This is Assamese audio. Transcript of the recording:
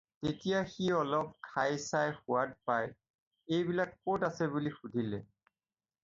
"তেতিয়া সি অলপ খাই চাই সোৱাদ পাই "এইবিলাক ক'ত আছে" বুলি সুধিলে।"